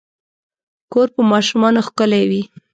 کور په ماشومانو ښکلے وي